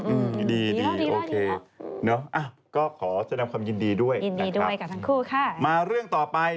อืมดีโอเคเนอะอ่ะก็ขอแสดงความยินดีด้วยนะครับมาเรื่องต่อไป